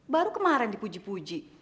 baru kemarin dipuji puji